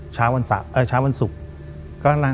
เช้าวันศุกร์